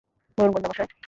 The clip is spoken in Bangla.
বলুন, গোয়েন্দা মশাই!